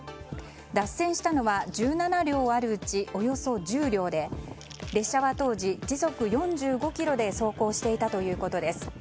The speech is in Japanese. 脱線したのは１７両あるうち、およそ１０両で列車は当時、時速４５キロで走行していたということです。